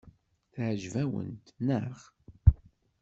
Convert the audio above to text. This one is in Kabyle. Teɛjeb-awent, naɣ?